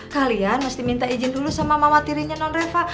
kalian mesti minta izin dulu sama mama tirinya non reva